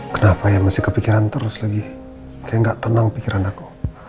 kenapa ya masih kepikiran terus lagi kayak gak tenang pikiran aku